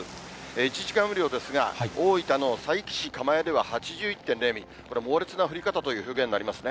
１時間雨量ですが、大分の佐伯市蒲江では８１．０ミリ、これ、猛烈な降り方という風景になりますね。